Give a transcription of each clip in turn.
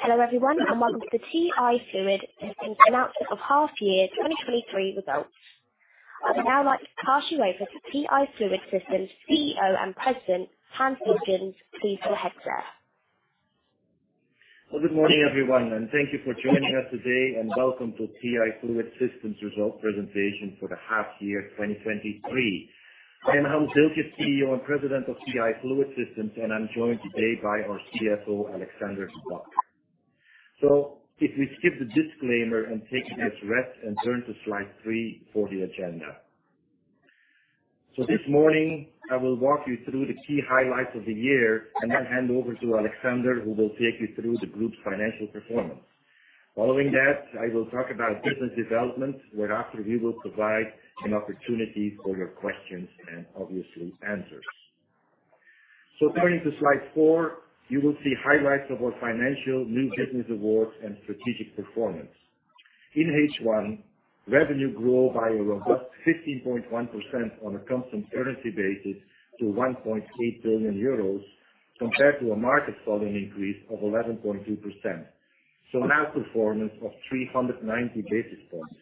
Hello, everyone, and welcome to the TI Fluid announcement of half year 2023 results. I would now like to pass you over to TI Fluid Systems CEO and President, Hans Dieltjens, please go ahead, sir.\ Well, good morning, everyone, and thank you for joining us today, and welcome to TI Fluid Systems Result Presentation for the half year 2023. I am Hans Dieltjens, CEO and President of TI Fluid Systems, and I'm joined today by our CFO, Alexander De Bock. If we skip the disclaimer and take a rest and turn to slide three for the agenda. This morning, I will walk you through the key highlights of the year and then hand over to Alexander, who will take you through the group's financial performance. Following that, I will talk about business development, thereafter we will provide an opportunity for your questions and obviously answers. Turning to slide four, you will see highlights of our financial, new business awards, and strategic performance. In H1, revenue grew by a robust 15.1% on a constant currency basis to 1.8 billion euros, compared to a market volume increase of 11.2%. An outperformance of 390 basis points.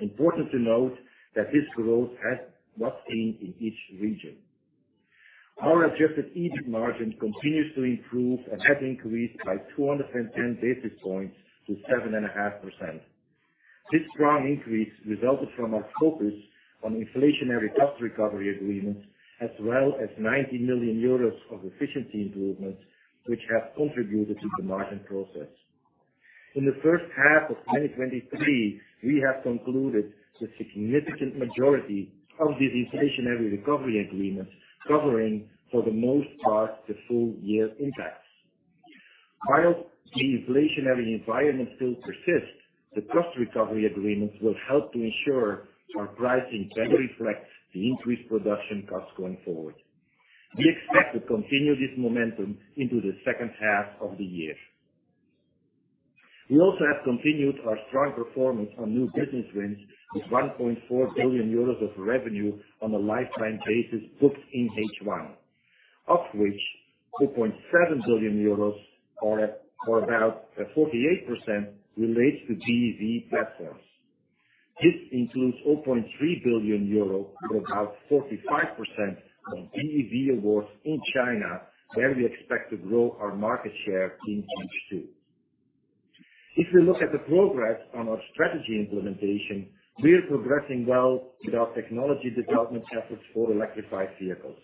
Important to note that this growth has not been in each region. Our adjusted EBIT margin continues to improve and has increased by 210 basis points to 7.5%. This strong increase resulted from our focus on inflationary cost recovery agreements, as well as 90 million euros of efficiency improvements, which have contributed to the margin process. In the first half of 2023, we have concluded the significant majority of these inflationary recovery agreements, covering, for the most part, the full-year impacts. While the inflationary environment still persists, the cost recovery agreements will help to ensure our pricing better reflects the increased production costs going forward. We expect to continue this momentum into the second half of the year. We also have continued our strong performance on new business wins, with 1.4 billion euros of revenue on a lifetime basis booked in H1, of which 2.7 billion euros, or about 48%, relates to BEV platforms. This includes 0.3 billion euro, or about 45% of BEV awards in China, where we expect to grow our market share in H2. If we look at the progress on our strategy implementation, we are progressing well with our technology development efforts for electrified vehicles.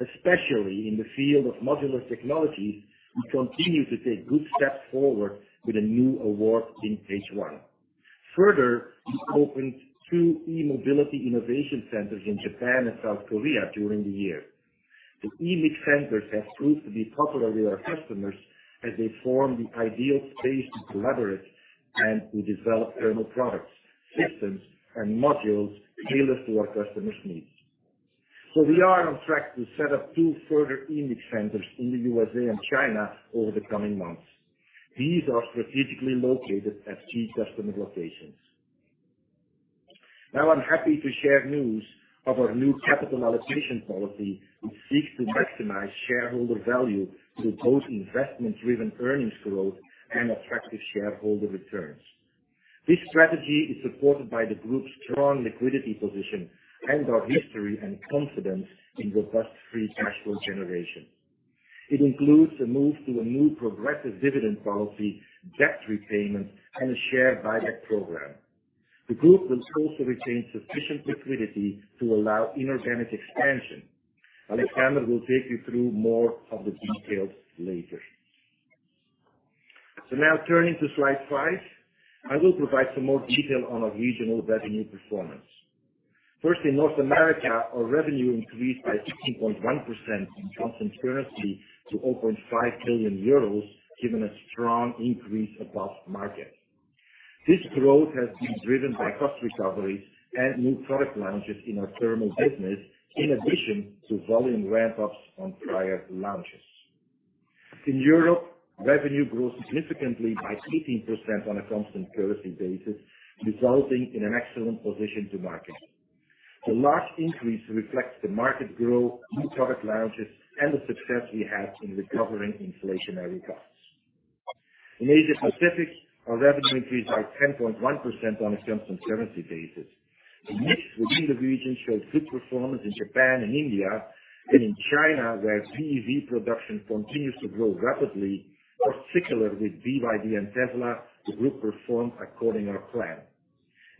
Especially in the field of modular technologies, we continue to take good steps forward with a new award in H1. We opened two E-Mobility Innovation Centers in Japan and South Korea during the year. The E-Mobility centers have proved to be popular with our customers as they form the ideal space to collaborate and to develop thermal products, systems, and modules tailored to our customers' needs. We are on track to set up two further E-Mobility centers in the USA and China over the coming months. These are strategically located at key customer locations. I'm happy to share news of our new capital allocation policy, which seeks to maximize shareholder value through both investment-driven earnings growth and attractive shareholder returns. This strategy is supported by the group's strong liquidity position and our history and confidence in robust free cash flow generation. It includes a move to a new progressive dividend policy, debt repayment, and a share buyback program. The group will also retain sufficient liquidity to allow inorganic expansion. Alexander will take you through more of the details later. Now turning to slide five, I will provide some more detail on our regional revenue performance. First, in North America, our revenue increased by 16.1% in constant currency to 0.5 billion euros, given a strong increase above market. This growth has been driven by cost recovery and new product launches in our thermal business, in addition to volume ramp-ups on prior launches. In Europe, revenue grew significantly by 13% on a constant currency basis, resulting in an excellent position to market. The large increase reflects the market growth, new product launches, and the success we had in recovering inflationary costs. In Asia Pacific, our revenue increased by 10.1% on a constant currency basis. The mix within the region showed good performance in Japan and India, and in China, where BEV production continues to grow rapidly, particularly with BYD and Tesla, the group performed according to plan.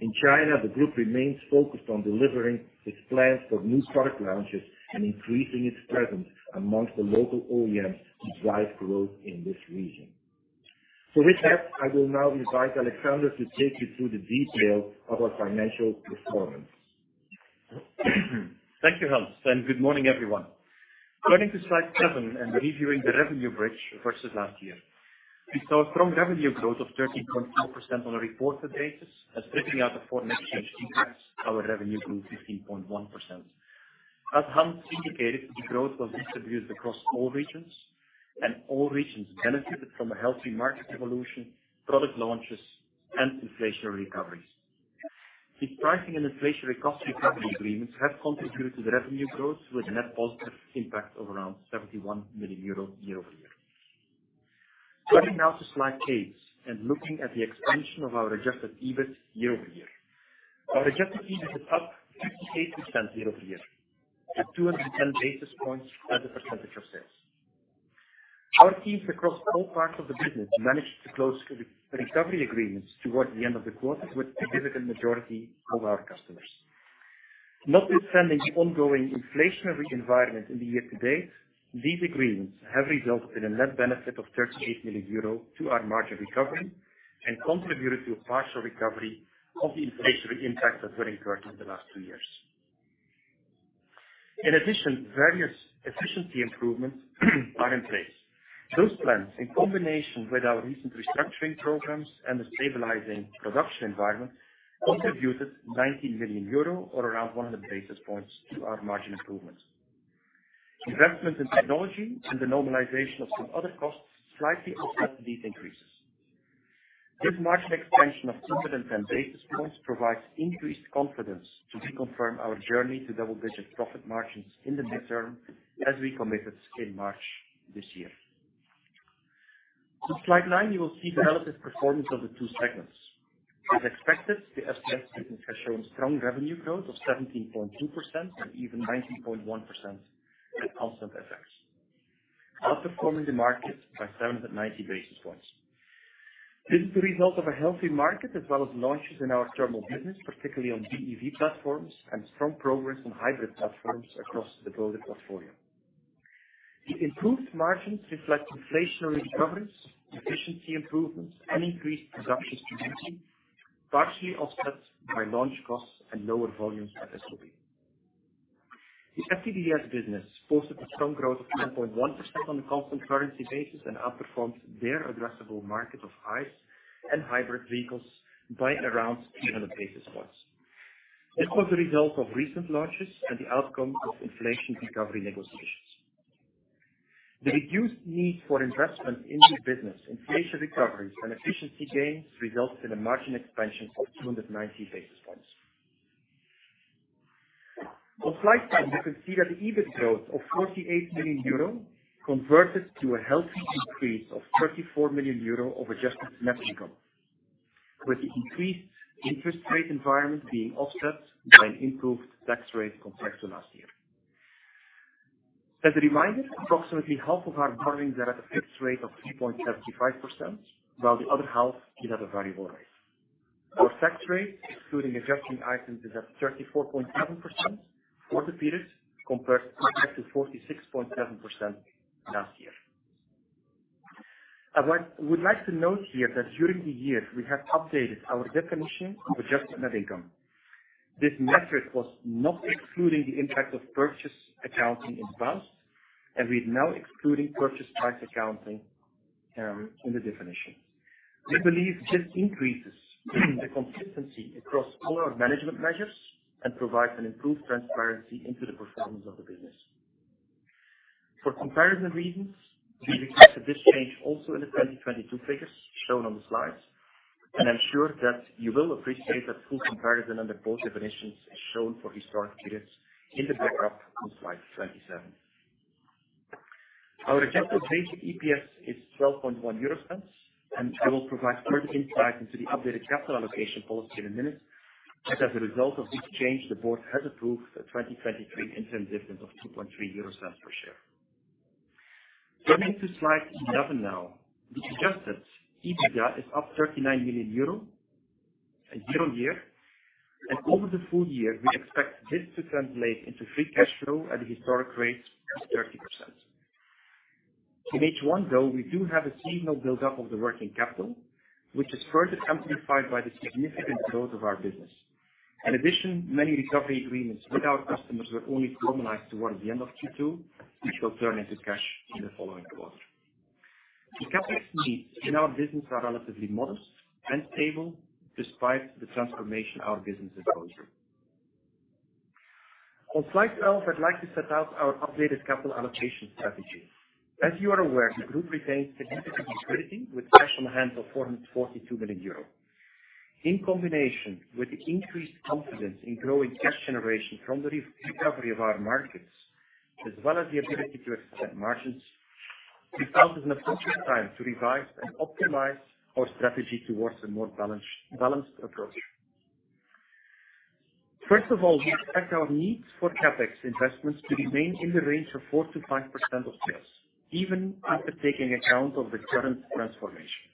In China, the group remains focused on delivering its plans for new product launches and increasing its presence amongst the local OEMs to drive growth in this region. With that, I will now invite Alexander to take you through the details of our financial performance. Thank you, Hans. Good morning, everyone. Turning to slide seven and reviewing the revenue bridge versus last year. We saw a strong revenue growth of 13.2% on a reported basis and stripping out the foreign exchange impact, our revenue grew 15.1%. As Hans indicated, the growth was distributed across all regions, and all regions benefited from a healthy market evolution, product launches, and inflationary recoveries. The pricing and inflationary cost recovery agreements have contributed to the revenue growth with a net positive impact of around 71 million euros year-over-year. Going now to slide eight and looking at the expansion of our adjusted EBIT year-over-year. Our adjusted EBIT is up 58% year-over-year, at 210 basis points as a % of sales. Our teams across all parts of the business managed to close recovery agreements towards the end of the quarter, with the significant majority of our customers. Notwithstanding the ongoing inflationary environment in the year-to-date, these agreements have resulted in a net benefit of 38 million euro to our margin recovery, and contributed to a partial recovery of the inflationary impact that we're incurred in the last two years. In addition, various efficiency improvements are in place. Those plans, in combination with our recent restructuring programs and the stabilizing production environment, contributed 19 million euro or around 100 basis points to our margin improvements. Investment in technology and the normalization of some other costs slightly offset these increases. This margin expansion of 210 basis points provides increased confidence to reconfirm our journey to double-digit profit margins in the near term, as we committed in March this year. On slide nine, you will see the relative performance of the two segments. As expected, the FCS business has shown strong revenue growth of 17.2% and even 19.1% at constant FX, outperforming the market by 790 basis points. This is the result of a healthy market, as well as launches in our thermal business, particularly on BEV platforms and strong progress on hybrid platforms across the broader portfolio. The improved margins reflect inflationary recoveries, efficiency improvements, and increased production intensity, partially offset by launch costs and lower volumes at SOE. The FTDS business posted a strong growth of 10.1% on a constant currency basis, and outperformed their addressable market of ICE and hybrid vehicles by around 800 basis points. This was the result of recent launches and the outcome of inflation recovery negotiations. The reduced need for investment in this business, inflation recoveries, and efficiency gains resulted in a margin expansion of 290 basis points. On slide 10, you can see that the EBIT growth of 48 million euro converted to a healthy increase of 34 million euro of adjusted net income, with the increased interest rate environment being offset by an improved tax rate compared to last year. As a reminder, approximately half of our borrowings are at a fixed rate of 3.75%, while the other half is at a variable rate. Our tax rate, including adjusting items, is at 34.7% for the period, compared to 46.7% last year. I would like to note here that during the year, we have updated our definition of adjusted net income. This method was not excluding the impact of Purchase Accounting in the past, and we're now excluding Purchase Price Accounting in the definition. We believe this increases the consistency across all our management measures and provides an improved transparency into the performance of the business. For comparison reasons, we reflected this change also in the 2022 figures shown on the slides, and I'm sure that you will appreciate that full comparison under both definitions as shown for historic periods in the backup on slide 27. Our adjusted basic EPS is 0.121 euros, I will provide further insight into the updated capital allocation policy in a minute. As a result of this change, the board has approved a 2023 interim dividend of 0.023 per share. Going to slide 11 now. The adjusted EBITDA is up 39 million euro year-over-year, over the full-year, we expect this to translate into free cash flow at a historic rate of 30%. In H1, though, we do have a seasonal buildup of the working capital, which is further amplified by the significant growth of our business. In addition, many recovery agreements with our customers were only formalized towards the end of Q2, which will turn into cash in the following quarter. The CapEx needs in our business are relatively modest and stable despite the transformation our business is going through. On slide 12, I'd like to set out our updated capital allocation strategy. As you are aware, the group retains significant liquidity with cash on hand of 442 million euros. In combination with the increased confidence in growing cash generation from the re-recovery of our markets, as well as the ability to expand margins, we felt it was an appropriate time to revise and optimize our strategy towards a more balanced, balanced approach. First of all, we expect our needs for CapEx investments to remain in the range of 4%-5% of sales, even after taking account of the current transformation.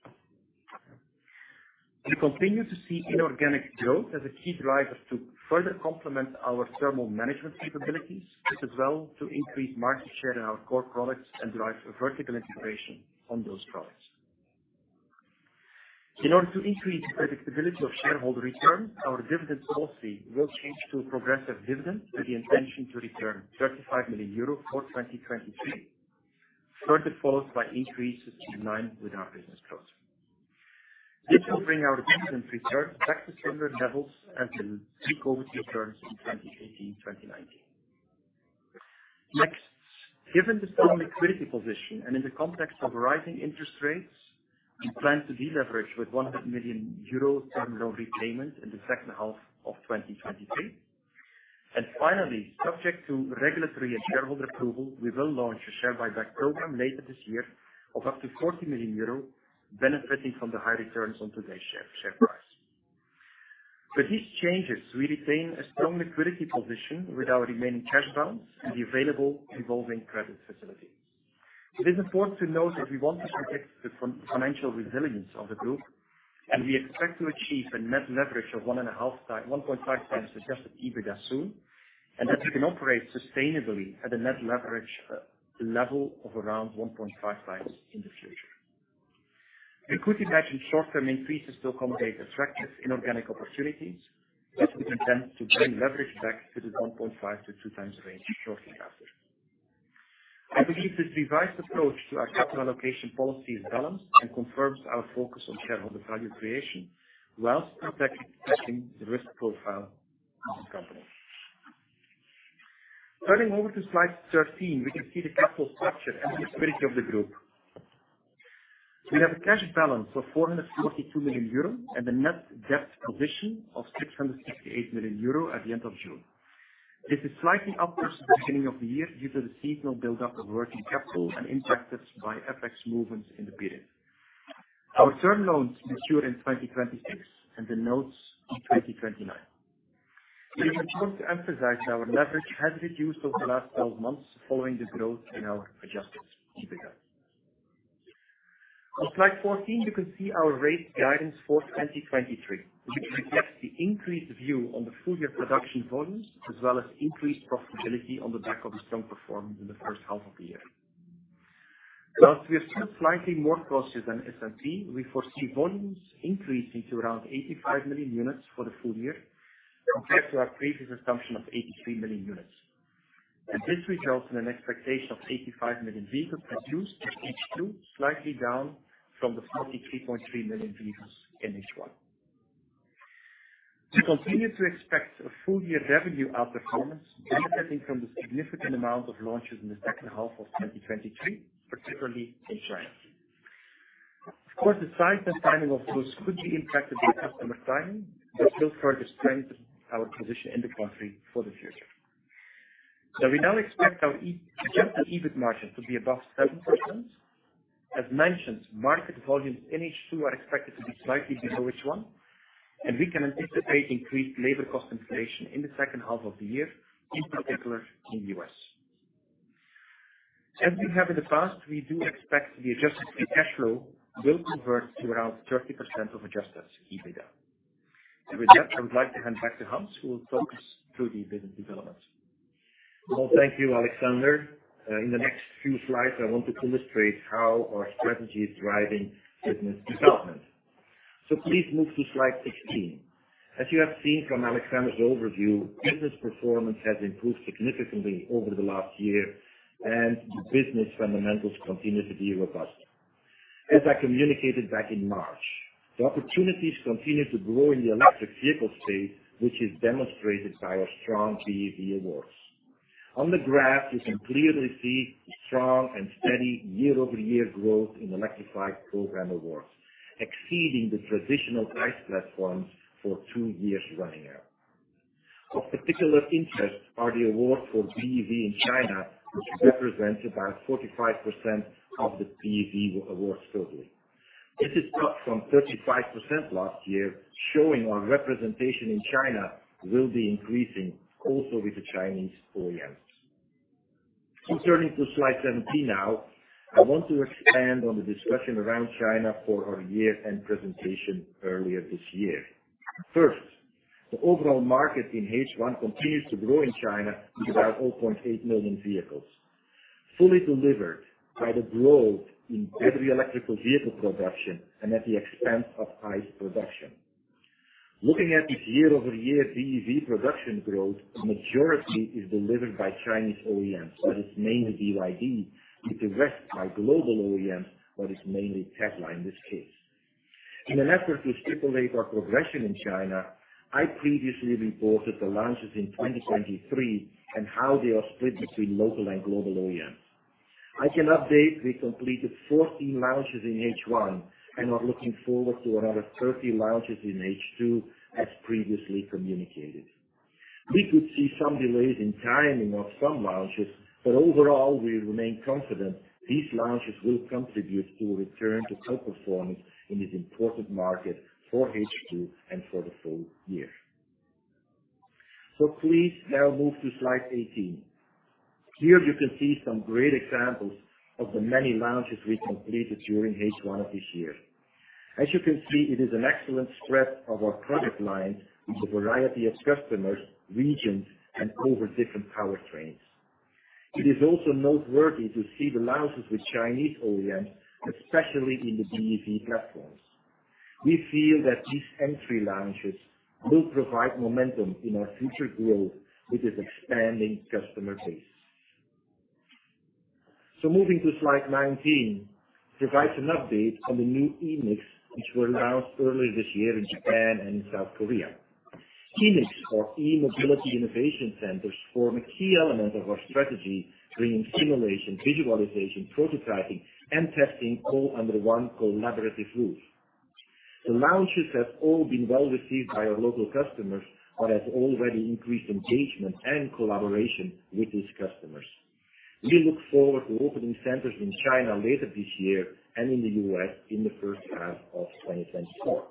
We continue to see inorganic growth as a key driver to further complement our thermal management capabilities, but as well to increase market share in our core products and drive vertical integration on those products. In order to increase the predictability of shareholder returns, our dividend policy will change to a progressive dividend, with the intention to return 35 million euro for 2023, further followed by increases in line with our business growth. This will bring our dividend reserve back to similar levels as in pre-COVID returns in 2018, 2019. Next, given the strong liquidity position and in the context of rising interest rates, we plan to deleverage with 100 million euros term loan repayment in the second half of 2023. Finally, subject to regulatory and shareholder approval, we will launch a share buyback program later this year of up to 40 million euro, benefiting from the high returns on today's share, share price. With these changes, we retain a strong liquidity position with our remaining cash balance and the available revolving credit facility. It is important to note that we want to protect the financial resilience of the group, and we expect to achieve a net leverage of 1.5x adjusted EBITDA soon, and that we can operate sustainably at a net leverage level of around 1.5x in the future. We could imagine short-term increases to accommodate attractive inorganic opportunities, but we intend to bring leverage back to the 1.5x-2x range shortly after. I believe this revised approach to our capital allocation policy is balanced and confirms our focus on shareholder value creation, whilst protecting, protecting the risk profile of the company. Turning over to slide 13, we can see the capital structure and liquidity of the group. We have a cash balance of 442 million euro and a net debt position of 668 million euro at the end of June. This is slightly up since the beginning of the year, due to the seasonal build-up of working capital and impacted by FX movements in the period. Our term loans mature in 2026, and the notes in 2029. It is important to emphasize our leverage has reduced over the last 12 months following the growth in our adjusted EBITDA. On slide 14, you can see our rate guidance for 2023, which reflects the increased view on the full-year production volumes, as well as increased profitability on the back of a strong performance in the first half of the year. Whilst we are still slightly more cautious than S&P, we foresee volumes increasing to around 85 million units for the full-year, compared to our previous assumption of 83 million units. This results in an expectation of 85 million vehicles produced in H2, slightly down from the 43.3 million vehicles in H1. We continue to expect a full-year revenue outperformance benefiting from the significant amount of launches in the second half of 2023, particularly in China. Of course, the size and timing of those could be impacted by customer timing, but still further strengthen our position in the country for the future. We now expect our adjusted EBIT margin to be above 7%. As mentioned, market volumes in H2 are expected to be slightly below H1, and we can anticipate increased labor cost inflation in the second half of the year, in particular in the U.S. As we have in the past, we do expect the adjusted free cash flow will convert to around 30% of adjusted EBITDA. With that, I would like to hand back to Hans, who will focus through the business development. Well, thank you, Alexander. In the next few slides, I want to illustrate how our strategy is driving business development. Please move to slide 16. As you have seen from Alexander's overview, business performance has improved significantly over the last year, and the business fundamentals continue to be robust. As I communicated back in March, the opportunities continue to grow in the electric vehicle space, which is demonstrated by our strong BEV awards. On the graph, you can clearly see strong and steady year-over-year growth in electrified program awards, exceeding the traditional price platforms for two years running now. Of particular interest are the awards for BEV in China, which represents about 45% of the BEV awards total. This is up from 35% last year, showing our representation in China will be increasing also with the Chinese OEMs. Turning to slide 17 now, I want to expand on the discussion around China for our year-end presentation earlier this year. First, the overall market in H1 continues to grow in China to about 0.8 million vehicles, fully delivered by the growth in battery electrical vehicle production and at the expense of ICE production. Looking at this year-over-year BEV production growth, the majority is delivered by Chinese OEMs, but it's mainly BYD, with the rest by global OEMs, but it's mainly Tesla in this case. In an effort to stipulate our progression in China, I previously reported the launches in 2023 and how they are split between local and global OEMs. I can update, we completed 14 launches in H1 and are looking forward to another 30 launches in H2, as previously communicated. We could see some delays in timing of some launches, overall, we remain confident these launches will contribute to a return to outperformance in this important market for H2 and for the full-year. Please now move to slide 18. Here, you can see some great examples of the many launches we completed during H1 of this year. As you can see, it is an excellent spread of our product line with a variety of customers, regions, and over different powertrains. It is also noteworthy to see the launches with Chinese OEMs, especially in the BEV platforms. We feel that these entry launches will provide momentum in our future growth with this expanding customer base. Moving to slide 19, provides an update on the new eMICs, which were announced earlier this year in Japan and in South Korea. EMICs, or E-Mobility Innovation Centers, form a key element of our strategy, bringing simulation, visualization, prototyping, and testing all under one collaborative roof. The launches have all been well received by our local customers and have already increased engagement and collaboration with these customers. We look forward to opening centers in China later this year and in the U.S. in the first half of 2024.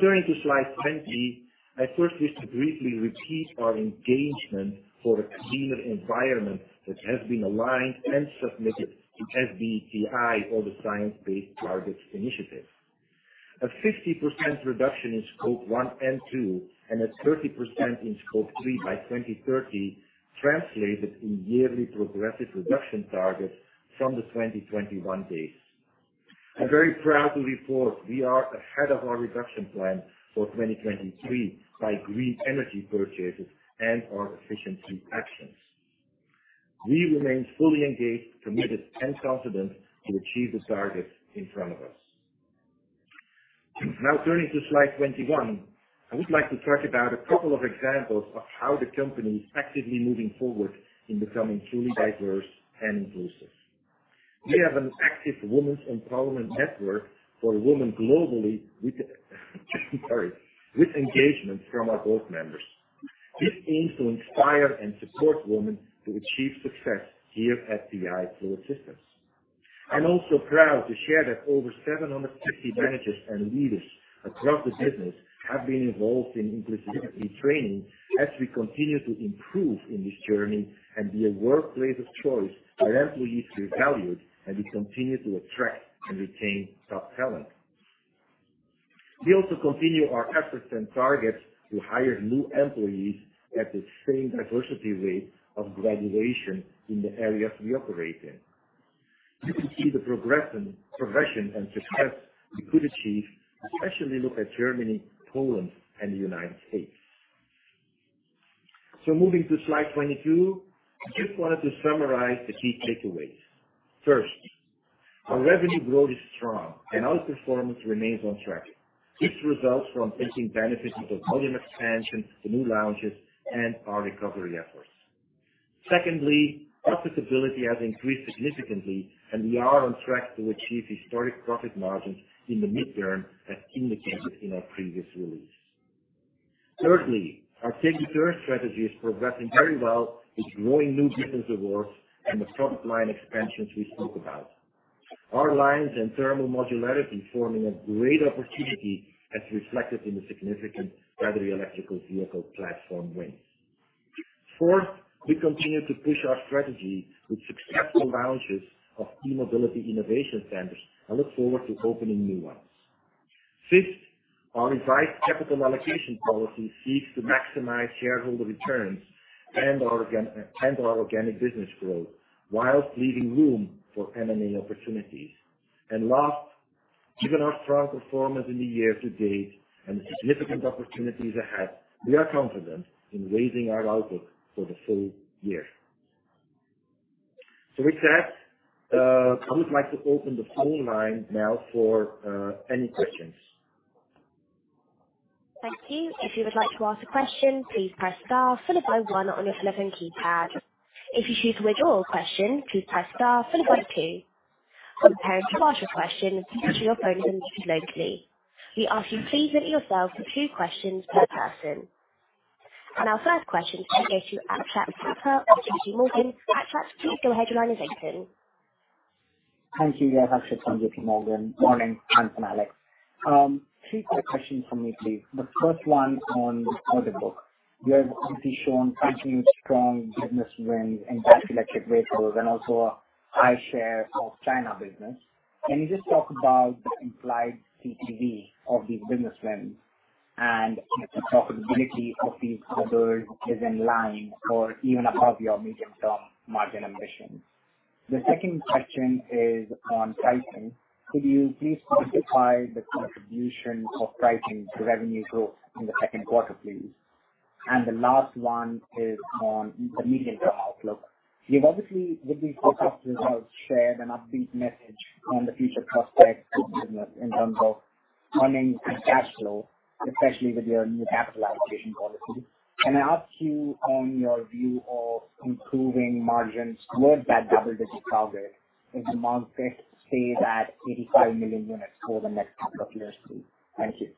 Turning to slide 20, I first wish to briefly repeat our engagement for a cleaner environment, which has been aligned and submitted to SBTi or the Science Based Targets initiative. A 50% reduction in Scope one and two, and a 30% in Scope three by 2030, translated in yearly progressive reduction targets from the 2021 base. I'm very proud to report we are ahead of our reduction plan for 2023 by green energy purchases and our efficiency actions. We remain fully engaged, committed, and confident to achieve the targets in front of us. Turning to slide 21, I would like to talk about a couple of examples of how the company is actively moving forward in becoming truly diverse and inclusive. We have an active women's empowerment network for women globally with, sorry, with engagement from our board members. This aims to inspire and support women to achieve success here at TI Fluid Systems. I'm also proud to share that over 750 managers and leaders across the business have been involved in inclusivity training, as we continue to improve in this journey and be a workplace of choice where employees feel valued, and we continue to attract and retain top talent. We also continue our efforts and targets to hire new employees at the same diversity rate of graduation in the areas we operate in. You can see the progression, progression and success we could achieve, especially look at Germany, Poland, and the United States. Moving to slide 22, I just wanted to summarize the key takeaways. First, our revenue growth is strong, and our performance remains on track. This results from taking benefits of volume expansion, the new launches, and our recovery efforts. Secondly, profitability has increased significantly, and we are on track to achieve historic profit margins in the midterm, as indicated in our previous release. Thirdly, our Taking the Turn strategy is progressing very well with growing new business awards and the product line expansions we spoke about. Our lines and thermal modularity forming a great opportunity, as reflected in the significant battery electrical vehicle platform wins. Fourth, we continue to push our strategy with successful launches of E-Mobility Innovation Centers and look forward to opening new ones. Fifth, our revised capital allocation policy seeks to maximize shareholder returns and our organic business growth, whilst leaving room for M&A opportunities. Last, given our strong performance in the year to date and the significant opportunities ahead, we are confident in raising our outlook for the full-year. With that, I would like to open the phone line now for any questions. Thank you. If you would like to ask a question, please press star followed by one on your telephone keypad. If you choose to withdraw a question, please press star followed by two. To prepare to ask your question, make sure your phone is muted locally. We ask you please limit yourself to two questions per person. Our first question can go to Akshat Sapra of JPMorgan. Akshat, please go ahead, your line is open. Thank you, yeah. Akshat from JPMorgan. Morning, Hans and Alex. Three quick questions from me, please. The first one on order book. You have obviously shown continued strong business wins in battery electric vehicles and also a high share of China business. Can you just talk about the implied BEV of these business wins and if the profitability of these orders is in line or even above your medium-term margin ambitions? The second question is on pricing. Could you please quantify the contribution of pricing to revenue growth in the second quarter, please? The last one is on the medium-term outlook. You've obviously, with these lookups, have shared an upbeat message on the future prospects of business in terms of earnings and cash flow, especially with your new capitalization policy. Can I ask you on your view of improving margins more than double-digit target, if demand fit stays at 85 million units over the next couple of years, please? Thank you.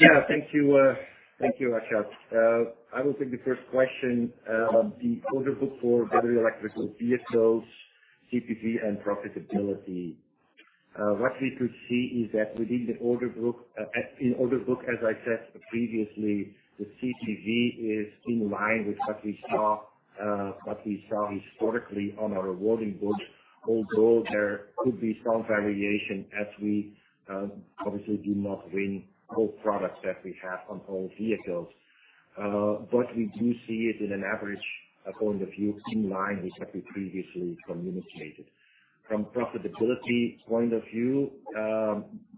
Yeah, thank you. Thank you, Akshat. I will take the first question on the order book for battery electrical vehicles, BEV and profitability. What we could see is that within the order book, in order book, as I said previously, the BEV is in line with what we saw, what we saw historically on our awarding books, although there could be some variation as we obviously do not win all products that we have on all vehicles. We do see it in an average point of view in line with what we previously communicated. From profitability point of view,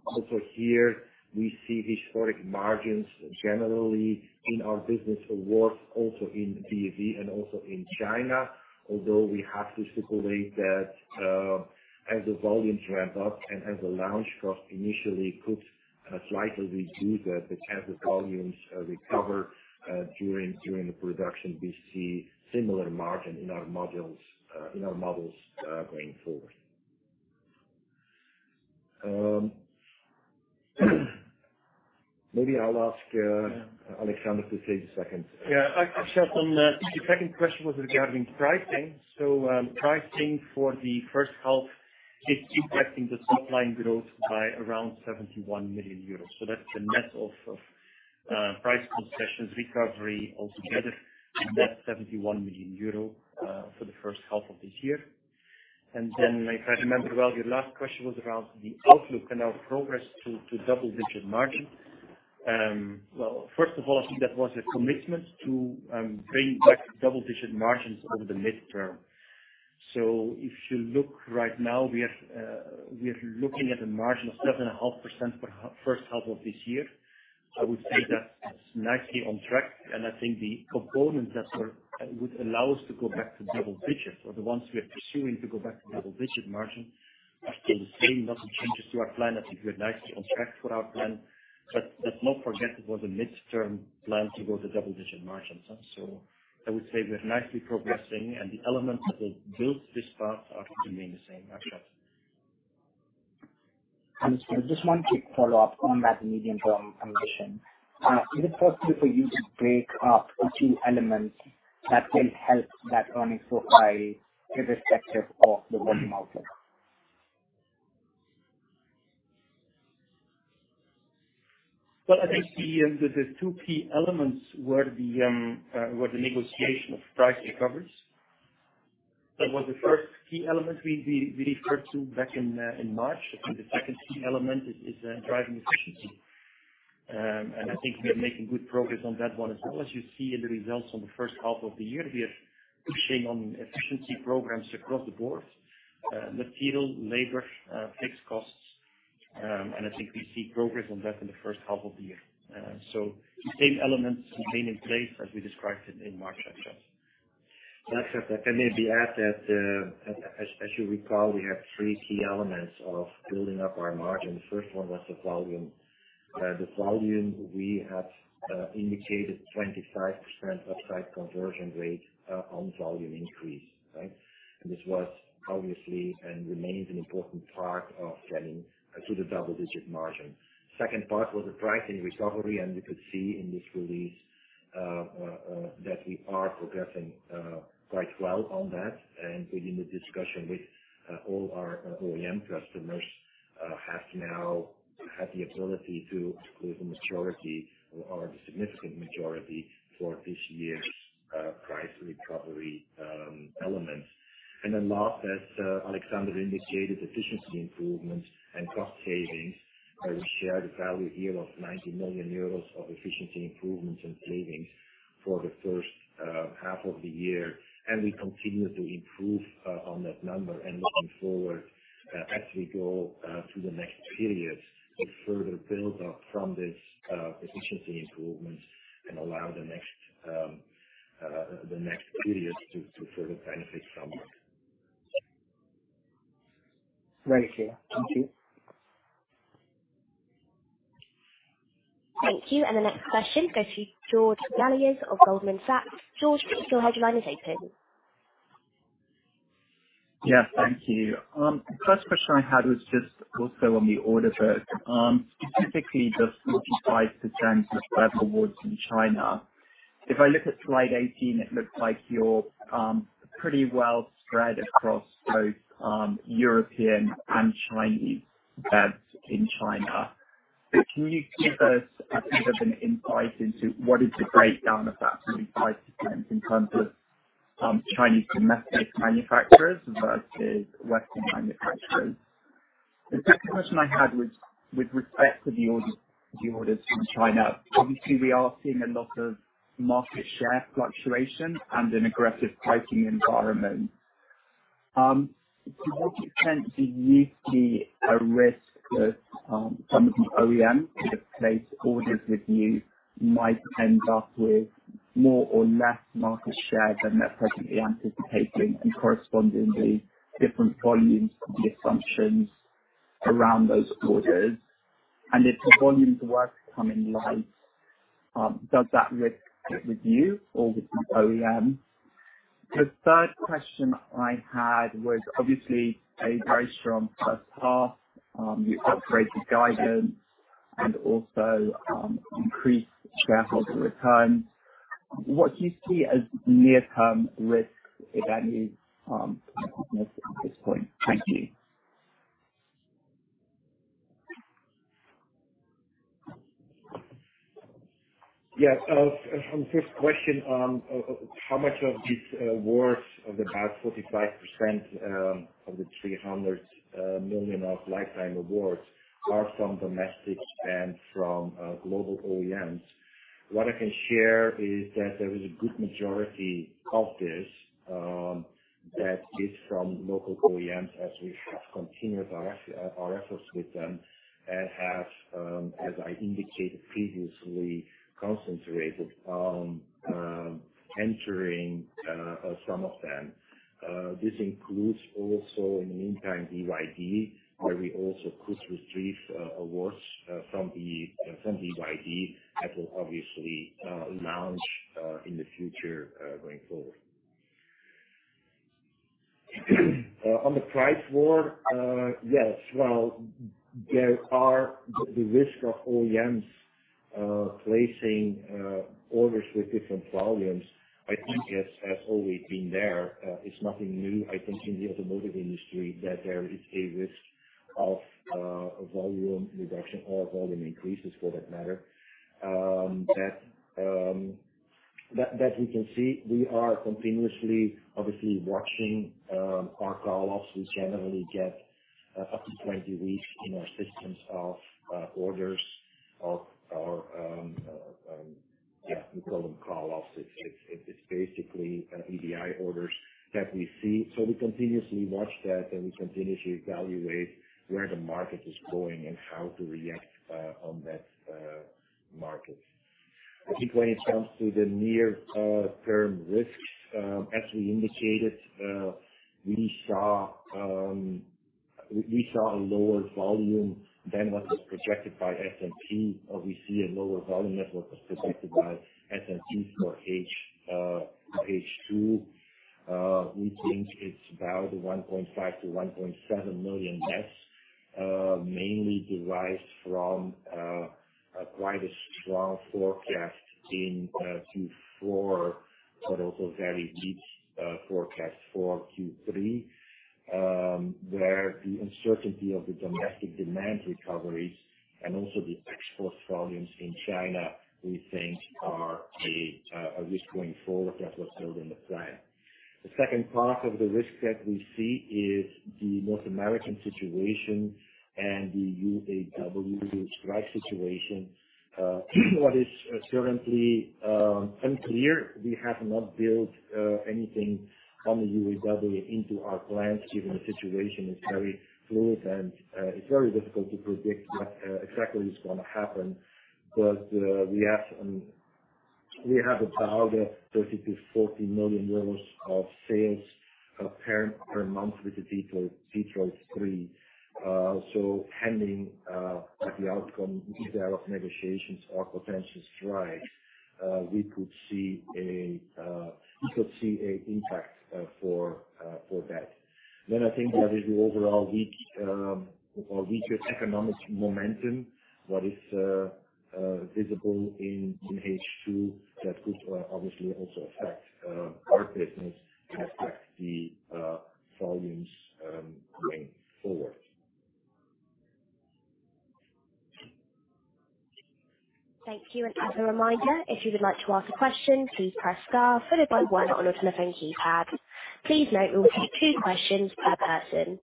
also here, we see historic margins generally in our business awards, also in BEV and also in China. We have to speculate that, as the volumes ramp up and as the launch cost initially could slightly reduce that, but as the volumes recover during, during the production, we see similar margin in our modules, in our models going forward. Maybe I'll ask Alexander to take a second. Yeah, I, I shot on, the second question was regarding pricing. Pricing for the first half is impacting the top-line growth by around EUR 71 million. If I remember well, your last question was around the outlook and our progress to, to double-digit margin. Well, first of all, I think that was a commitment to bring back double-digit margins over the midterm. If you look right now, we are looking at a margin of 7.5% for first half of this year. I would say that's nicely on track, and I think the components that were... Would allow us to go back to double-digits are the ones we are pursuing to go back to double-digit margin. I stay the same, nothing changes to our plan. I think we're nicely on track for our plan, but let's not forget it was a midterm plan to go to double-digit margins. I would say we're nicely progressing, and the elements that will build this path are remaining the same actually. Just one quick follow-up on that medium-term ambition. Is it possible for you to break up the two elements that will help that earnings profile, irrespective of the market outlook? Well, I think the, the two key elements were the, were the negotiation of price recoveries. That was the first key element we, we, we referred to back in March. The second key element is, is driving efficiency. I think we are making good progress on that one as well. As you see in the results on the first half of the year, we are pushing on efficiency programs across the board, material, labor, fixed costs, and I think we see progress on that in the first half of the year. The same elements remain in place as we described it in March, Akshat. Let's let me add that as, as, as you recall, we have three key elements of building up our margin. The first one was the volume. The volume we have indicated 25% upside conversion rate on volume increase, right? This was obviously, and remains, an important part of getting to the double-digit margin. Second part was the pricing recovery, and we could see in this release that we are progressing quite well on that. Within the discussion with all our OEM customers have now had the ability to include the majority or the significant majority for this year's price recovery elements. Then last, as Alexander indicated, efficiency improvements and cost savings, we share the value here of 90 million euros of efficiency improvements and savings for the first half of the year. We continue to improve on that number. Looking forward, as we go to the next period, we further build up from this efficiency improvement and allow the next, the next period to, to further benefit from it. Thank you. Thank you. Thank you. The next question goes to George Galliers of Goldman Sachs. George, your headline is open. Yeah, thank you. First question I had was just also on the order book. Specifically, the 45% of awards in China. If I look at slide 18, it looks like you're pretty well spread across both European and Chinese in China. Can you give us a bit of an insight into what is the breakdown of that 45% in terms of Chinese domestic manufacturers versus Western manufacturers? The second question I had was with respect to the orders, the orders from China. Obviously, we are seeing a lot of market share fluctuation and an aggressive pricing environment. To what extent do you see a risk that some of the OEMs who have placed orders with you might end up with more or less market share than they're currently anticipating, and correspondingly different volumes from the assumptions around those orders? If the volumes were to come in light, does that risk sit with you or with the OEM? The third question I had was obviously a very strong first half, the upgraded guidance and also increased cash flow return. What do you see as near-term risks, if any, at this point? Thank you. Yes. On first question, on, how much of these awards, of about 45%, of the 300 million of lifetime awards are from domestic and from global OEMs? What I can share is that there is a good majority of this, that is from local OEMs, as we have continued our efforts with them, and have, as I indicated previously, concentrated on, entering, some of them. This includes also, in the meantime, BYD, where we also could receive, awards, from the, from BYD, that will obviously, launch, in the future, going forward. On the price war, yes, well, there are the risk of OEMs, placing, orders with different volumes. I think it has, has always been there. It's nothing new, I think, in the automotive industry, that there is a risk of volume reduction or volume increases for that matter. That, that, that we can see, we are continuously, obviously watching, our call-offs. We generally get up to 20 weeks in our systems of orders of our, we call them call-offs. It's, it's, it's basically, EDI orders that we see. We continuously watch that, and we continuously evaluate where the market is going and how to react on that market. I think when it comes to the near term risks, as we indicated, we saw, we, we saw a lower volume than what was projected by S&P, or we see a lower volume than what was projected by S&P for H2. We think it's about 1.5 million-1.7 million nets. Mainly derived from quite a strong forecast in Q4, but also very weak forecast for Q3, where the uncertainty of the domestic demand recoveries and also the export volumes in China, we think are a risk going forward, as was said in the plan. The second part of the risk that we see is the North American situation and the UAW strike situation. What is currently unclear, we have not built anything from the UAW into our plans, given the situation is very fluid, and it's very difficult to predict what exactly is going to happen. We have about 30 million-40 million euros of sales per month with the Detroit Three. Pending the outcome, either of negotiations or potential strikes, we could see a, we could see a impact, for for that. I think there is the overall weak or weaker economic momentum that is visible in H2, that could obviously also affect our business and affect the volumes going forward. Thank you, and as a reminder, if you would like to ask a question, please press star followed by one on your telephone keypad. Please note, we will take two questions per person.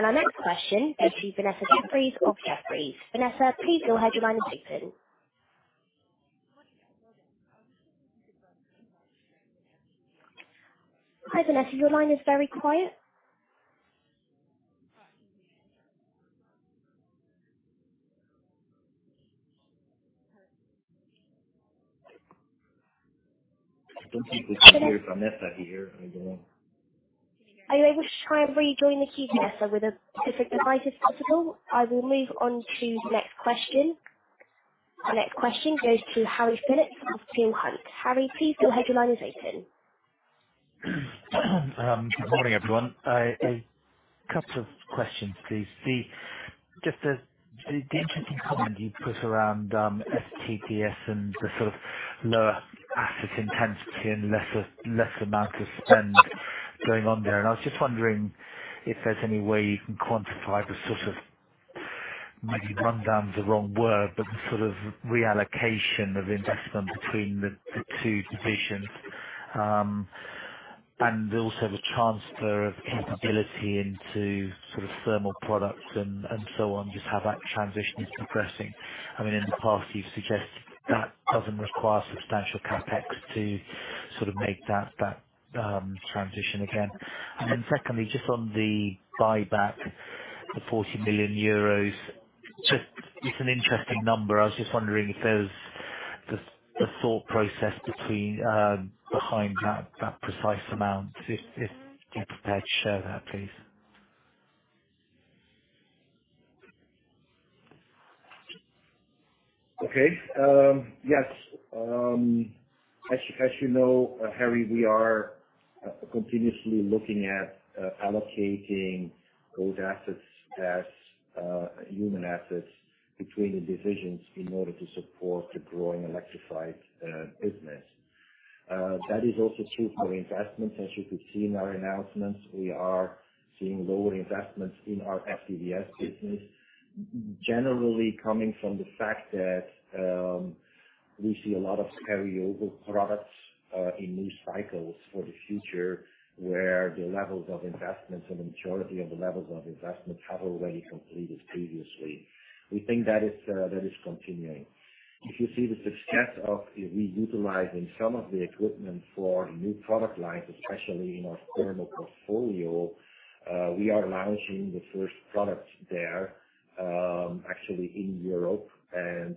Our next question goes to Vanessa Jeffriess of Jefferies. Vanessa, please go ahead. Your line is open. Hi, Vanessa, your line is very quiet. Don't think we can hear Vanessa here again. Are you able to try and rejoin the queue, Vanessa, with a different device, if possible? I will move on to the next question. Our next question goes to Harry Phillips of Peel Hunt. Harry, please go ahead. Your line is open. Good morning, everyone. A couple of questions, please. Just the interesting comment you put around FTDS and the sort of lower asset intensity and lesser, less amount of spend going on there. I was just wondering if there's any way you can quantify the sort of, maybe rundown is the wrong word, but the sort of reallocation of investment between the two divisions. Also the transfer of capability into sort of thermal products and so on, just how that transition is progressing. I mean, in the past, you've suggested that doesn't require substantial CapEx to sort of make that, that transition again. Secondly, just on the buyback, the 40 million euros, just it's an interesting number. I was just wondering if there's the, the thought process between behind that, that precise amount, if, if you're prepared to share that, please. Okay. Yes. As you, as you know, Harry, we are continuously looking at allocating those assets as human assets between the divisions in order to support the growing electrified business. That is also true for investments. As you could see in our announcements, we are seeing lower investments in our FTDS business. Generally, coming from the fact that we see a lot of carryover products in new cycles for the future, where the levels of investments and the majority of the levels of investments have already completed previously. We think that is continuing. If you see the success of reutilizing some of the equipment for new product lines, especially in our thermal portfolio, we are launching the first products there, actually in Europe and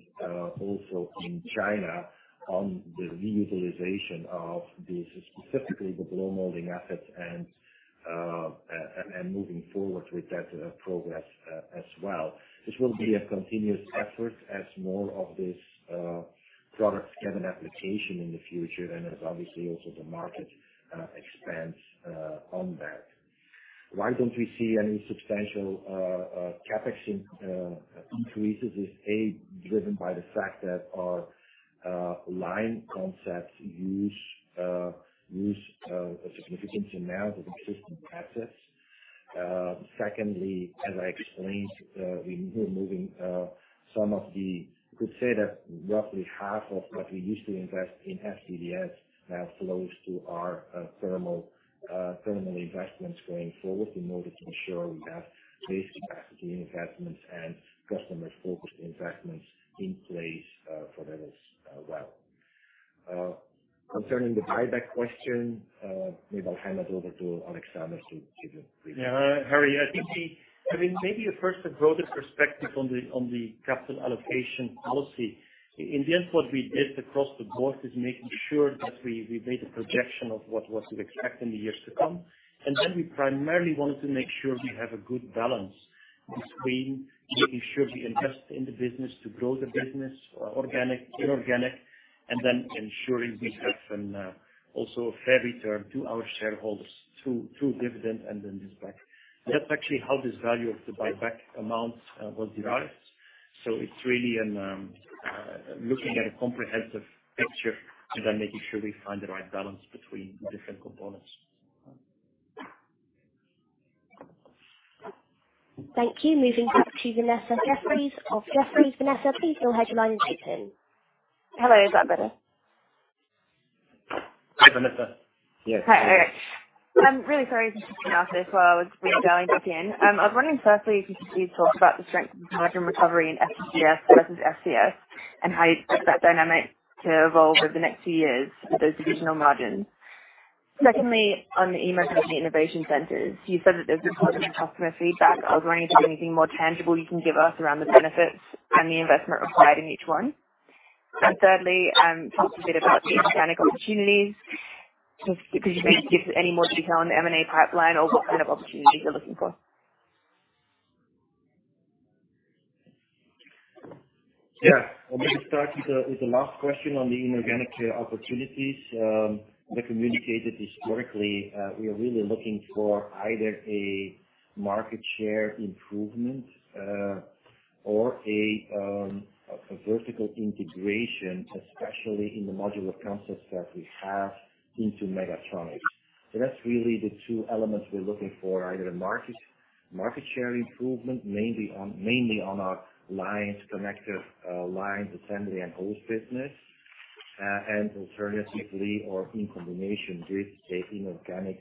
also in China, on the reutilization of the specifically, the blow molding assets and moving forward with that progress as well. This will be a continuous effort as more of these products have an application in the future, and as obviously also the market expands on that. Why don't we see any substantial CapEx in increases is, A, driven by the fact that our line concepts use, use, a significant amount of existing assets. Secondly, as I explained, we're moving some of the, you could say that roughly half of what we used to invest in FTDS, now flows to our thermal, thermal investments going forward, in order to ensure we have base capacity investments and customer-focused investments in place, for that as well. Concerning the buyback question, maybe I'll hand it over to Alexander to give you briefly. Yeah, Harry, I think the... I mean, maybe first a broader perspective on the capital allocation policy. In the end, what we did across the board is making sure that we made a projection of what we expect in the years to come. Then we primarily wanted to make sure we have a good balance between making sure we invest in the business to grow the business, organic, inorganic, and then ensuring we have an also a fair return to our shareholders, through dividend and then this back. That's actually how this value of the buyback amount was derived. It's really looking at a comprehensive picture, and then making sure we find the right balance between the different components. Thank you. Moving back to Vanessa Jeffriess of Jefferies. Vanessa, please go ahead, line is open. Hello, is that better? Hi, Vanessa. Yes. Hi, Alex. I'm really sorry if this has been asked this while I was dialing back in. I was wondering, firstly, if you could talk about the strength of margin recovery in FTDS versus FCS, and how you expect that dynamic to evolve over the next few years with those divisional margins? Secondly, on the E-Mobility and the E-Mobility Innovation Centers, you said that there's been positive customer feedback. I was wondering if there anything more tangible you can give us around the benefits and the investment required in each one? Thirdly, talk a bit about the inorganic opportunities, just could you maybe give any more detail on the M&A pipeline or what kind of opportunities you're looking for? Yeah. Let me start with the, with the last question on the inorganic opportunities. We communicated historically, we are really looking for either a market share improvement, or a vertical integration, especially in the modular concepts that we have into mechatronics. That's really the two elements we're looking for, either a market, market share improvement, mainly on, mainly on our lines connector, lines assembly and whole business. Alternatively or in combination with an inorganic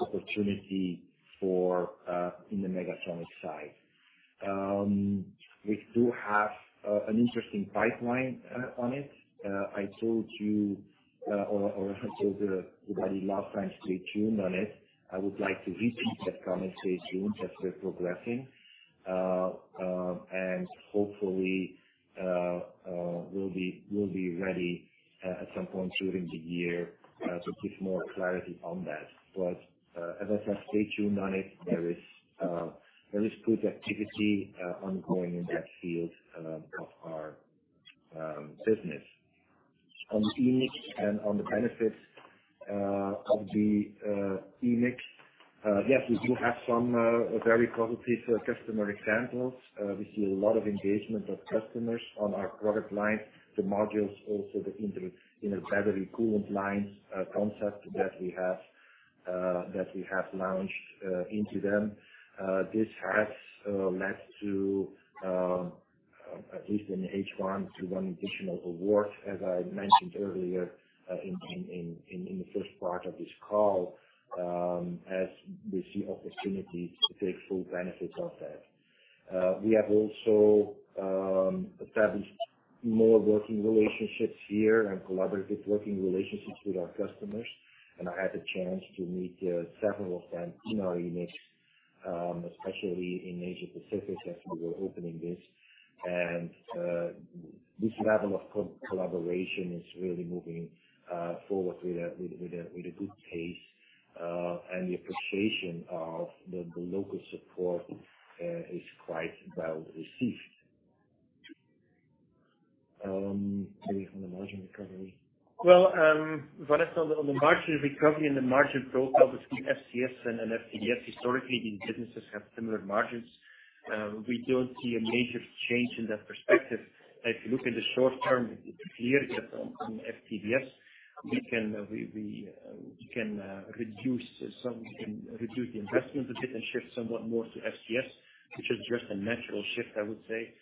opportunity for in the mechatronics side. We do have an interesting pipeline on it. I told you, or, or I told everybody last time to stay tuned on it. I would like to repeat that comment, stay tuned, as we're progressing. Hopefully, we'll be, we'll be ready at some point during the year to give more clarity on that. As I said, stay tuned on it. There is good activity ongoing in that field of our business. On eMIC and on the benefits of the eMIC, yes, we do have some very positive customer examples. We see a lot of engagement of customers on our product line, the modules, also the in the, in the battery coolant lines concept that we have that we have launched into them. This has led to, at least in H1, to one additional award, as I mentioned earlier, in, in, in, in, in the first part of this call, as we see opportunities to take full benefits of that. We have also established more working relationships here and collaborative working relationships with our customers, and I had the chance to meet several of them in our units, especially in Asia Pacific, as we were opening this. This level of collaboration is really moving forward with a, with a, with a good pace, and the appreciation of the, the local support is quite well received. On the margin recovery? Well, Vanessa, on the, on the margin recovery and the margin profile between FCS and FTDS, historically, these businesses have similar margins. We don't see a major change in that perspective. If you look in the short term, it's clear that on FTDS, we can reduce some, reduce the investment a bit and shift somewhat more to FCS, which is just a natural shift, I would say....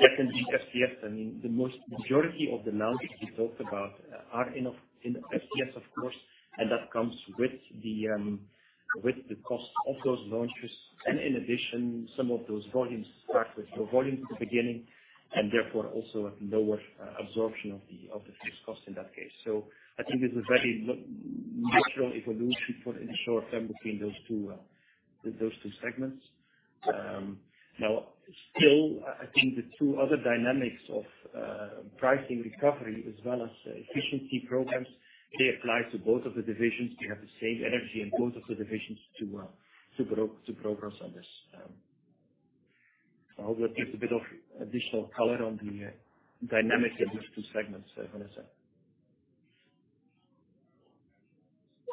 Yes, indeed, FTDS, I mean, the most majority of the launches we talked about are in FTDS, of course, and that comes with the cost of those launches. In addition, some of those volumes start with low volume at the beginning, and therefore also a lower absorption of the fixed cost in that case. I think it's a very natural evolution for, in the short term between those two segments. Still, I think the two other dynamics of pricing recovery as well as efficiency programs, they apply to both of the divisions. We have the same energy in both of the divisions to progress on this. I hope that gives a bit of additional color on the dynamics of these two segments, Vanessa.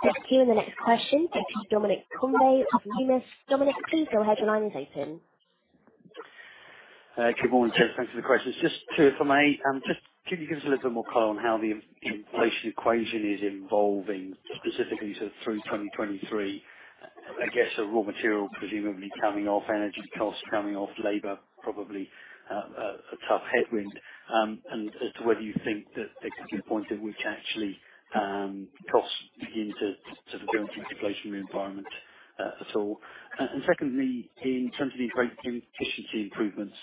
Thank you. The next question goes to Dominic Convey of Numis. Dominic, please go ahead. Your line is open. Good morning, Hans. Thank you for the questions. Just two, if I may. Just could you give us a little bit more color on how the in-inflation equation is evolving, specifically sort of through 2023? I guess, raw material presumably coming off, energy costs coming off, labor probably a tough headwind. As to whether you think that there could be a point at which actually costs begin to sort of go into inflationary environment at all. Secondly, in terms of the great efficiency improvements,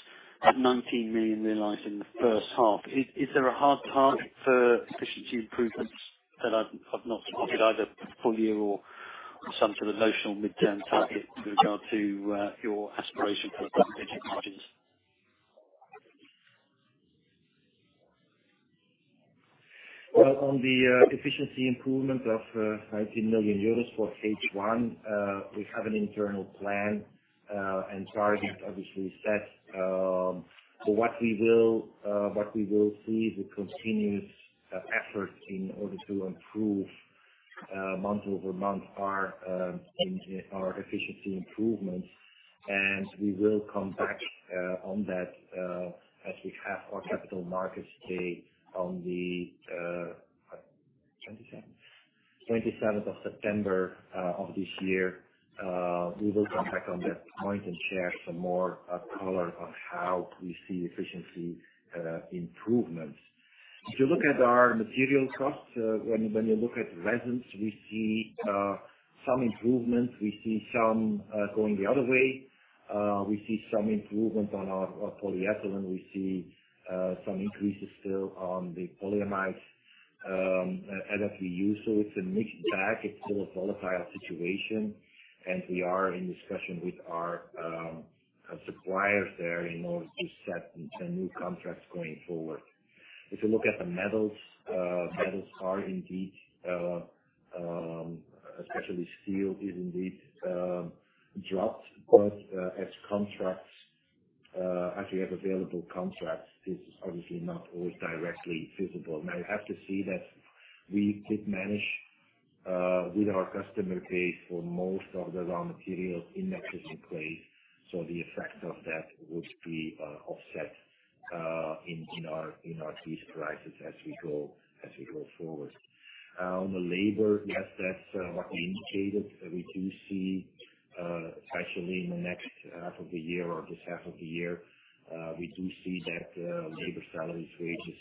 at 19 million realized in the first half, is there a hard target for efficiency improvements that I've not spotted either full-year or some sort of notional midterm target with regard to your aspiration for efficiency improvements? Well, on the efficiency improvement of 19 million euros for H1, we have an internal plan and targets obviously set. What we will what we will see is a continuous effort in order to improve month-over-month, our our efficiency improvements. We will come back on that as we have our capital markets day on the 27? 27th of September of this year. We will come back on that point and share some more color on how we see efficiency improvements. If you look at our material costs, when, when you look at resins, we see some improvements, we see some going the other way. We see some improvement on our, our polyethylene. We see some increases still on the polyamides as we use. It's a mixed bag. It's still a volatile situation, we are in discussion with our suppliers there in order to set the new contracts going forward. If you look at the metals, metals are indeed, especially steel, is indeed dropped, as contracts, as we have available contracts, this is obviously not always directly visible. Now, you have to see that we did manage with our customer base for most of the raw materials in that specific way, so the effect of that would be offset in, in our, in our piece prices as we go, as we go forward. On the labor, yes, that's what we indicated. We do see, especially in the next half of the year or this half of the year, we do see that labor salaries, wages,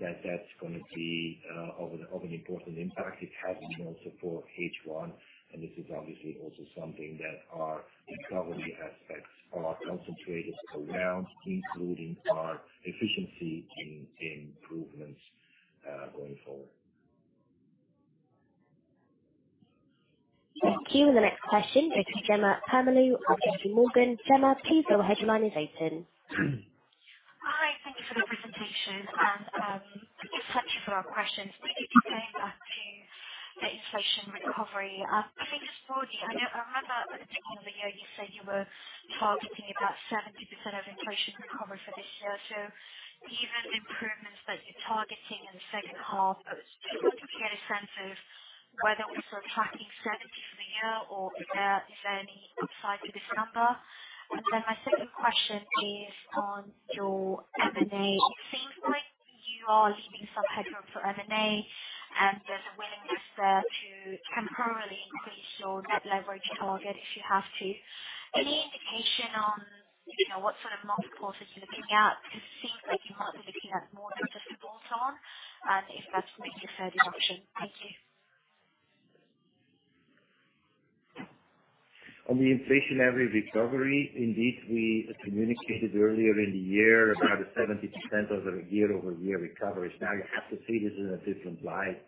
that's going to be of an important impact. It has been support H1. This is obviously also something that our recovery aspects are concentrated around, including our efficiency improvements, going forward. Thank you. The next question goes to Jemma Permalloo of JPMorgan. Gemma, please go ahead. Your line is open. Hi, thank you for the presentation. Thank you for our questions. Quickly coming back to the inflation recovery, I think this morning, I remember at the beginning of the year, you said you were targeting about 70% of inflation recovery for this year. Given the improvements that you're targeting in the second half, could we get a sense of whether we're still tracking 70 for the year, or is there any upside to this number? My second question is on your M&A. It seems like you are leaving some headroom for M&A, and there's a willingness there to concurrently increase your net leverage target, if you have to. Any indication on, you know, what sort of multiples you're looking at? It seems like you might be looking at more adjustable ton, and if that's maybe your third option. Thank you. On the inflationary recovery, indeed, we communicated earlier in the year about a 70% over a year-over-year recovery. You have to see this in a different light,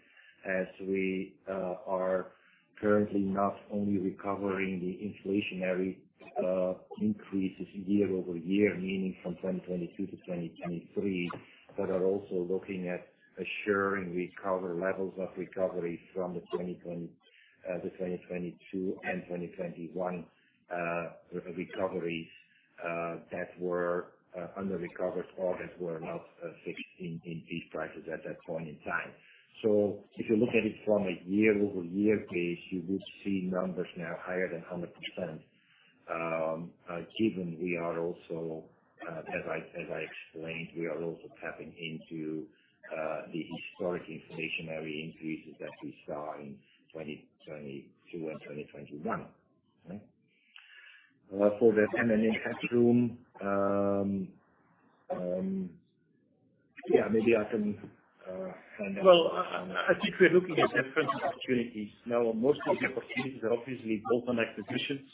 as we are currently not only recovering the inflationary increases year over year, meaning from 2022 to 2023, but are also looking at assuring recover levels of recovery from 2022 and 2021 recoveries that were underrecovered or that were not fixed in these prices at that point in time. If you look at it from a year-over-year base, you will see numbers now higher than 100%. Given we are also, as I explained, we are also tapping into the historic inflationary increases that we saw in 2022 and 2021. Right?... so there's M&A headroom. Yeah, maybe I can find out. Well, I, I think we're looking at different opportunities. Most of the opportunities are obviously bolt-on acquisitions.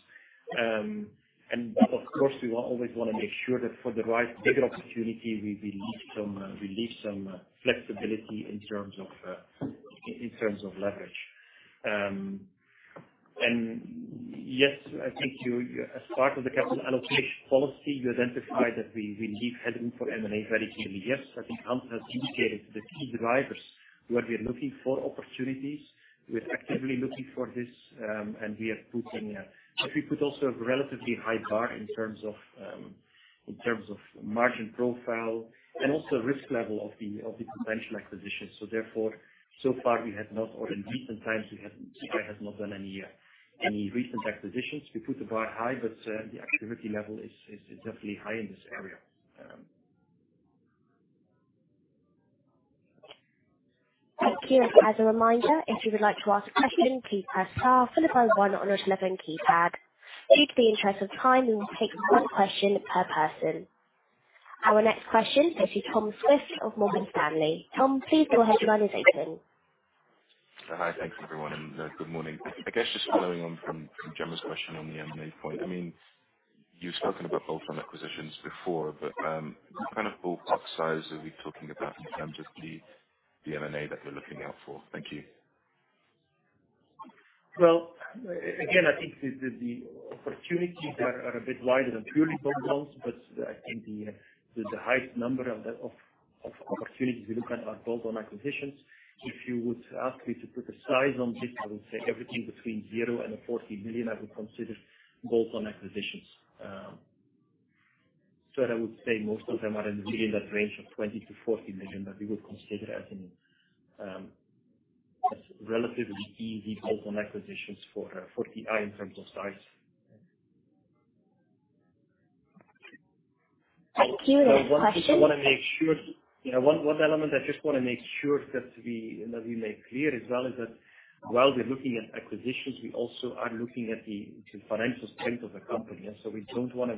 Of course, we want- always wanna make sure that for the right bigger opportunity, we, we leave some, we leave some flexibility in terms of, in terms of leverage. Yes, I think you, as part of the capital allocation policy, you identified that we, we leave headroom for M&A very clearly. Yes, I think Hans has indicated the key drivers, what we are looking for, opportunities. We're actively looking for this, and we are putting... We put also a relatively high bar in terms of, in terms of margin profile and also risk level of the, of the potential acquisitions. Therefore, so far, we have not, or in recent times, we have, TI has not done any recent acquisitions. We put the bar high, the activity level is definitely high in this area. Thank you. As a reminder, if you would like to ask a question, please press star, followed by one on your telephone keypad. Due to the interest of time, we will take 1 question per person. Our next question goes to Tom Swift of Morgan Stanley. Tom, please go ahead, your line is open. Hi, thanks, everyone, and good morning. I guess just following on from, from Gemma's question on the M&A point, I mean, you've spoken about bolt-on acquisitions before, but, what kind of ballpark size are we talking about in terms of the, the M&A that you're looking out for? Thank you. Again, I think the opportunities are a bit wider than purely bolt-ons, I think the highest number of the opportunities we look at are bolt-on acquisitions. If you would ask me to put a size on this, I would say everything between 0 and 40 million, I would consider bolt-on acquisitions. I would say most of them are in between that range of 20 million-40 million, that we would consider as a relatively easy bolt-on acquisitions for TI, in terms of size. Thank you. The next question- I wanna make sure, yeah, one, one element I just wanna make sure that we, that we make clear as well, is that while we're looking at acquisitions, we also are looking at the, the financial strength of the company. We don't wanna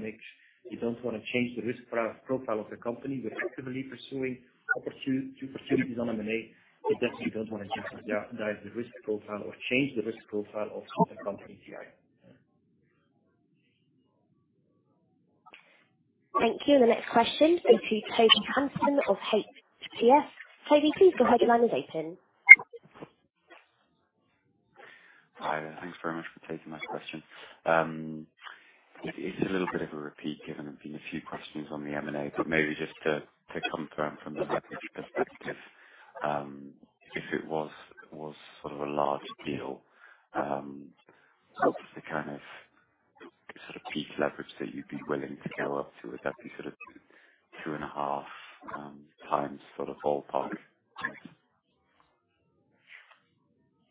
change the risk profile of the company. We're actively pursuing opportunities on M&A. We definitely don't wanna change the, the, the risk profile or change the risk profile of the company, TI. Thank you. The next question goes to Toby Hansen of HSBC. Toby, please go ahead. Your line is open. Hi there. Thanks very much for taking my question. It's a little bit of a repeat, given there's been a few questions on the M&A, but maybe just to, to confirm from the leverage perspective, if it was, was sort of a large deal, what is the kind of sort of peak leverage that you'd be willing to go up to? Would that be sort of two, two and a half, times sort of ballpark?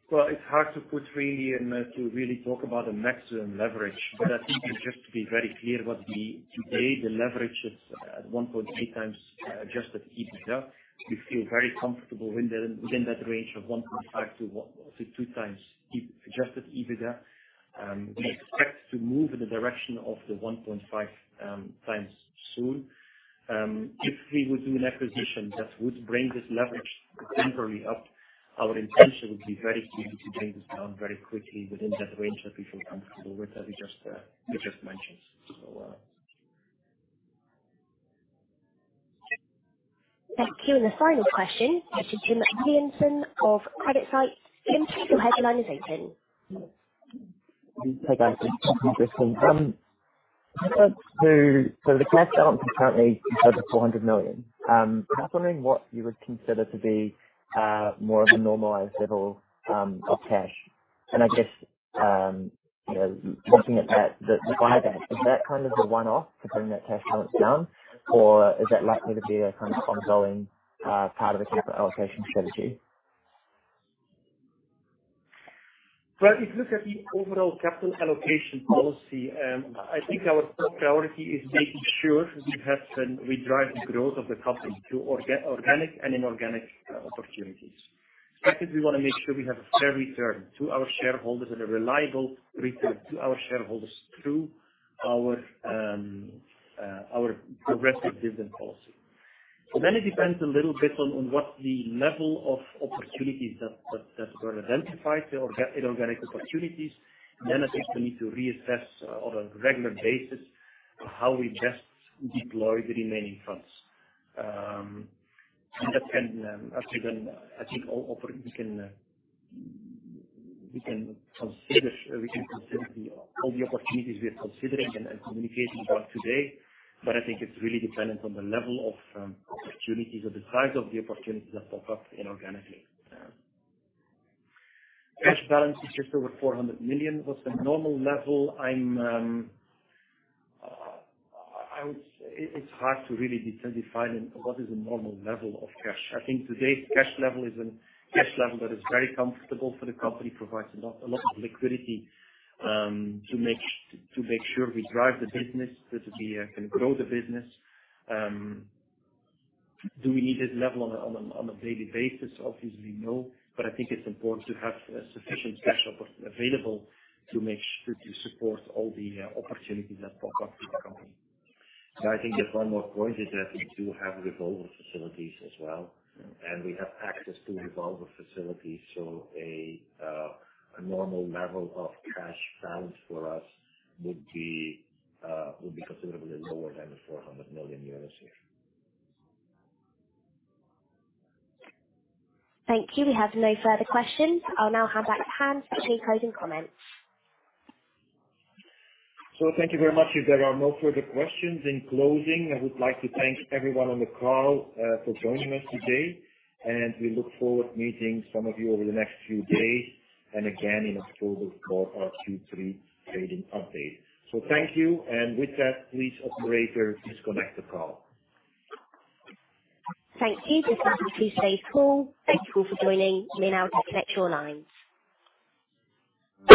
It's hard to put really and, to really talk about a maximum leverage. I think just to be very clear. Today, the leverage is at 1.8x adjusted EBITDA. We feel very comfortable within that range of 1.5x-2x adjusted EBITDA. We expect to move in the direction of the 1.5x soon. If we would do an acquisition that would bring this leverage temporarily up, our intention would be very clearly to bring this down very quickly within that range that we feel comfortable with, that we just, we just mentioned. Thank you. The final question goes to Jim Williamson of CreditSights. Jim, please, your line is open. Hi, guys, the cash balance is currently over 400 million. I was wondering what you would consider to be more of a normalized level of cash? I guess, you know, looking at that, the buyback, is that kind of a one-off to bring that cash balance down, or is that likely to be a kind of ongoing part of the capital allocation strategy? Well, if you look at the overall capital allocation policy, I think our first priority is making sure we have, we drive the growth of the company through organic and inorganic opportunities. Secondly, we wanna make sure we have a fair return to our shareholders and a reliable return to our shareholders through our progressive dividend policy. Then it depends a little bit on, on what the level of opportunities that, that, that were identified, the inorganic opportunities. I think we need to reassess on a regular basis, how we best deploy the remaining funds. That can, as we can, I think, we can consider, we can consider the, all the opportunities we are considering and, and communicating about today, but I think it's really dependent on the level of opportunities or the size of the opportunities that pop up inorganically. Cash balance is just over 400 million. What's the normal level? I would say it's hard to really define what is a normal level of cash. I think today's cash level is a cash level that is very comfortable for the company, provides a lot, a lot of liquidity to make sure we drive the business, that we can grow the business. Do we need this level on a, on a, on a daily basis? Obviously, no. I think it's important to have a sufficient cash available to make sure to support all the opportunities that pop up in the company. I think just one more point is that we do have revolver facilities as well, and we have access to revolver facilities. A normal level of cash balance for us would be considerably lower than the 400 million euros, yeah. Thank you. We have no further questions. I'll now hand back to Hans for any closing comments. Thank you very much. If there are no further questions, in closing, I would like to thank everyone on the call for joining us today. We look forward to meeting some of you over the next few days, again in October for our Q3 trading update. Thank you. With that, please, operator, disconnect the call. Thank you. This ends today's call. Thank you for joining. You may now disconnect your lines.